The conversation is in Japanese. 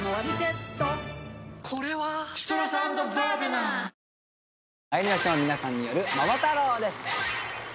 まいりましょう皆さんによる「桃太郎」です